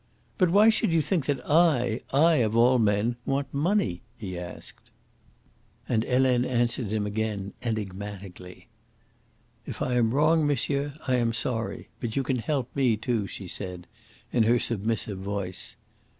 "But why should you think that I I, of all men want money?" he asked. And Helene answered him again enigmatically. "If I am wrong, monsieur, I am sorry, but you can help me too," she said, in her submissive voice.